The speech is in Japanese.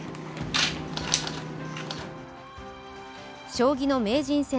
将棋の名人戦